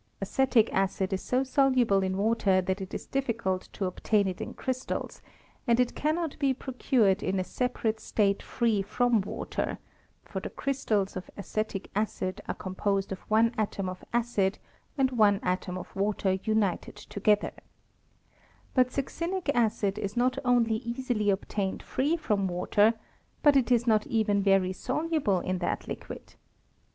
Acetic I soluble in water that it is difficult to in crystals, and it cannot be procured in a separate state free from water ; for the crys tals of acetic acid are composed of one atom of acid and one atom of water united together ; but succinic acid is not only easily obtained free from ', but it is not even very soluble in that liquid.